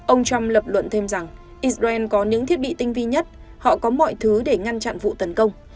ông trump lập luận thêm rằng israel có những thiết bị tinh vi nhất họ có mọi thứ để ngăn chặn vụ tấn công